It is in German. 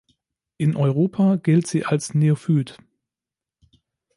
In Europa gilt sie als Neophyt.